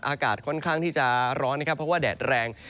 อากาศค่อนข้างที่จะร้อนนะครับเพราะว่าแดดแรง